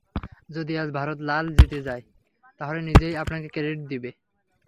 যদি আজ ভারত লাল জিতে যায়, তাহলে নিজেই আপনাকে ক্রেডিট দিবে।